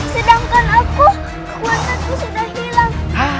sedangkan aku kekuatan ku sudah hilang